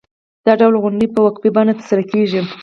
دا ډول غونډې په وقفې بڼه ترسره کېږي.